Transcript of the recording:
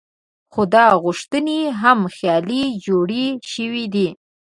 خو دا غوښتنې هم خیالي جوړې شوې دي.